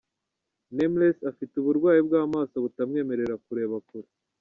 Nameless afite uburwayi bw’amaso butamwemerera kureba kure.